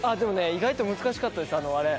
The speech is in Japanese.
意外と難しかったですあれ。